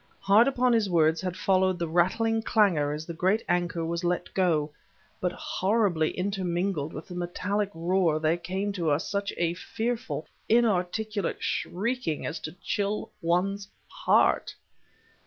Hard upon his words had followed the rattling clangor as the great anchor was let go; but horribly intermingled with the metallic roar there came to us such a fearful, inarticulate shrieking as to chill one's heart.